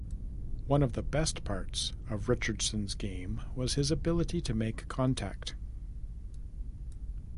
One of the best parts of Richardson's game was his ability to make contact.